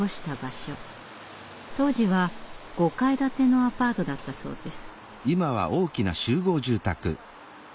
当時は５階建てのアパートだったそうです。